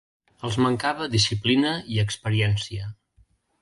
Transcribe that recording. Els mancava disciplina i experiència.